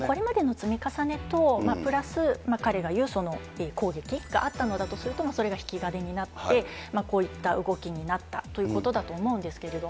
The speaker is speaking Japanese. これまでの積み重ねと、プラス彼が言う攻撃があったのだとすると、それが引き金になって、こういった動きになったということだと思うんですけれども。